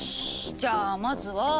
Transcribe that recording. じゃあまずは。